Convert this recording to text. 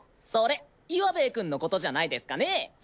それイワベエくんのことじゃないですかね。